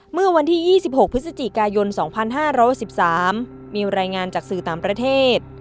เมื่อวันที่๒๖พฤศจิกายน๒๕๖๓มีรายงานจากสื่อต่างประเทศ